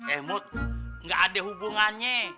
eh mut gak ada hubungannya